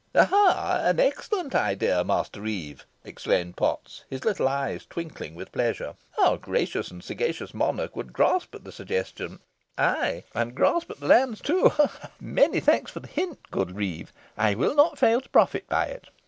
"Ah! ah! an excellent idea, Master Reeve," exclaimed Potts, his little eyes twinkling with pleasure. "Our gracious and sagacious monarch would grasp at the suggestion, ay, and grasp at the lands too ha! ha! Many thanks for the hint, good reeve. I will not fail to profit by it.